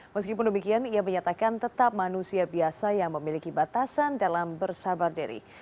meskipun demikian ia menyatakan tetap manusia biasa yang memiliki batasan dalam bersabar diri